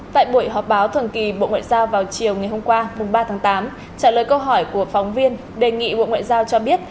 tại buổi họp báo thường kỳ bộ ngoại giao vào chiều ngày hôm qua ba tháng tám trả lời câu hỏi của phóng viên đề nghị bộ ngoại giao cho biết